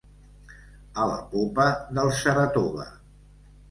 A la popa del Saratoga.